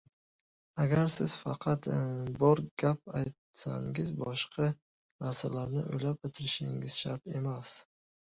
Agar siz faqat bor gapni aytsangiz, boshqa narsalarni o‘ylab o‘tirishingiz shart emas.